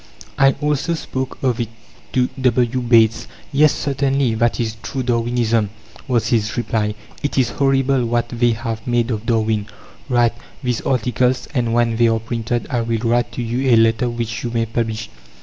I also spoke of it to W. Bates. "Yes, certainly; that is true Darwinism," was his reply. "It is horrible what 'they' have made of Darwin. Write these articles, and when they are printed, I will write to you a letter which you may publish."